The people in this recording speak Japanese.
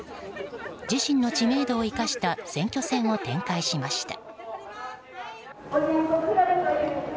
自信の知名度を生かした選挙戦を展開しました。